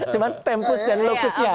cuma tempus dan locusnya